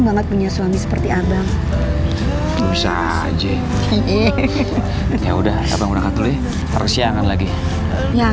banget punya suami seperti abang bisa aja iya udah abang uang katolik harus siangan lagi yakin abang apa apa